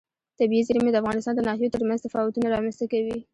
طبیعي زیرمې د افغانستان د ناحیو ترمنځ تفاوتونه رامنځ ته کوي.